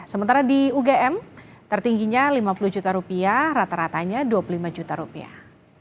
sementara di ugm tertingginya lima puluh juta rupiah rata ratanya dua puluh lima juta rupiah